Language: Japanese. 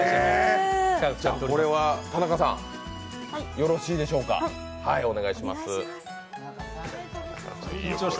田中さんよろしいでしょうか、お願いします。